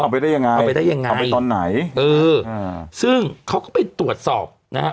ไปได้ยังไงเอาไปได้ยังไงเอาไปตอนไหนเอออ่าซึ่งเขาก็ไปตรวจสอบนะฮะ